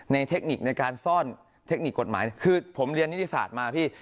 เทคนิคในการซ่อนเทคนิคกฎหมายคือผมเรียนนิติศาสตร์มาพี่